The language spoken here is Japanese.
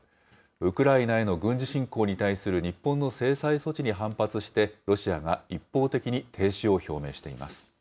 ウクライナへの軍事侵攻に対する日本の制裁措置に反発して、ロシアが一方的に停止を表明しています。